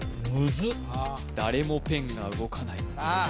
誰もペンが動かないぞ